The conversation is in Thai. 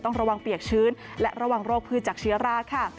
ระวังเปียกชื้นและระวังโรคพืชจากเชื้อราค่ะ